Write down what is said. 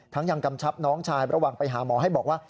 ยังกำชับน้องชายระหว่างไปหาหมอให้บอกว่า